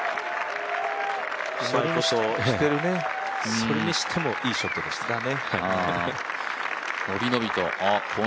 それにしても、いいショットでした。